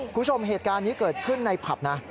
คุณผู้ชมเหตุการณ์นี้เกิดขึ้นในผับนะ